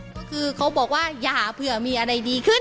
ก็คือเขาบอกว่าอย่าเผื่อมีอะไรดีขึ้น